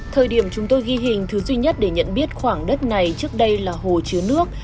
thời điểm chúng tôi ghi hình thứ duy nhất để nhận biết khoảng đất này trước đây là hồ chứa nước